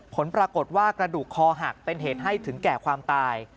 ผลปรากฏว่ากระดูกคอหักเป็นเหตุให้ถึงแก่ความตาย